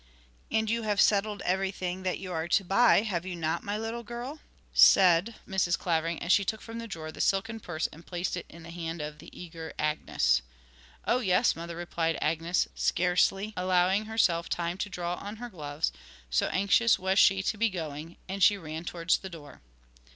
'And you have settled everything that you are to buy, have you not, my little girl?' said Mrs. Clavering, as she took from the drawer the silken purse and placed it in the hand of the eager Agnes. 'Oh yes, mother,' replied Agnes, scarcely allowing herself time to draw on her gloves, so anxious was she to be going, and she ran towards the door.